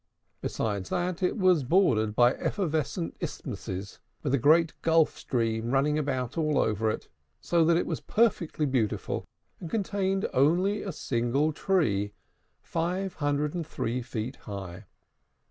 Besides that, it was bordered by evanescent isthmuses, with a great gulf stream running about all over it; so that it was perfectly beautiful, and contained only a single tree, 503 feet high.